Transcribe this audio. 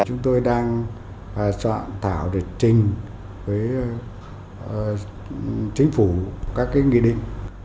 chúng tôi đang soạn thảo địch trình với chính phủ các cái nghị định